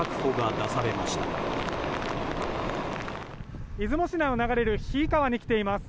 出雲市内を流れる斐伊川に来ています。